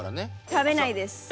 食べないです。